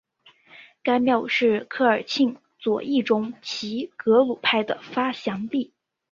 该庙是科尔沁左翼中旗格鲁派的发祥地。